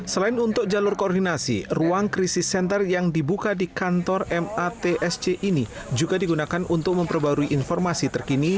selain untuk jalur koordinasi ruang krisis center yang dibuka di kantor matsc ini juga digunakan untuk memperbarui informasi terkini